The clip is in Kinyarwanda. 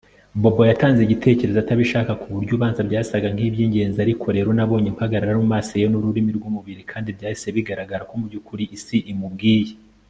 Bobo yatanze igitekerezo atabishaka kuburyo ubanza byasaga nkibyingenzi ariko rero nabonye impagarara mumaso ye nururimi rwumubiri kandi byahise bigaragara ko mubyukuri isi imubwiye